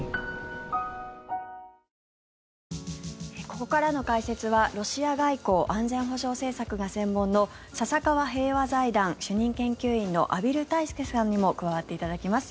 ここからの解説はロシア外交・安全保障政策が専門の笹川平和財団主任研究員の畔蒜泰助さんにも加わっていただきます。